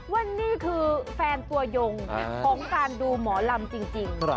ว่านี่คือแฟนตัวยงของการดูหมอลำจริง